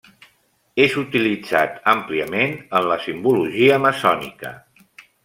És utilitzat àmpliament en la simbologia maçònica.